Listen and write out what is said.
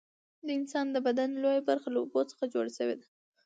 د انسان د بدن لویه برخه له اوبو څخه جوړه شوې ده